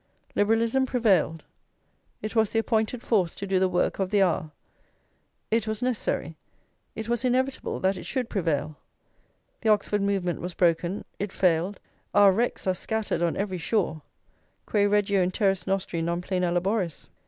Liberalism prevailed; it was the appointed force to do the work of the hour; it was necessary, it was inevitable that it should prevail. The Oxford movement was broken, it failed; our wrecks are scattered on every shore: Quae regio in terris nostri non plena laboris?